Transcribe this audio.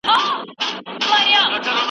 تاسي تل د خپلي روغتیا په اړه فکر کوئ.